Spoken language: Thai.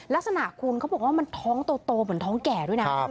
ลักษณะคุณเขาบอกว่ามันท้องโตเหมือนท้องแก่ด้วยนะ